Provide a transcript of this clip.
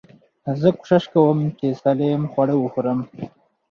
زه کوشش کوم، چي سالم خواړه وخورم.